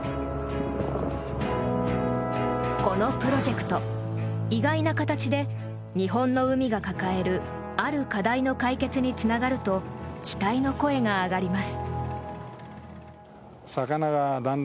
このプロジェクト意外な形で、日本の海が抱えるある課題の解決につながると期待の声が上がります。